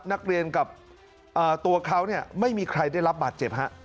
นักเรียนกับตัวเขาไม่มีใครได้รับบาดเจ็บฮะ